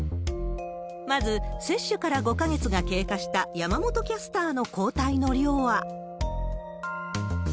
まず、接種から５か月が経過した山本キャスターの抗体の量は。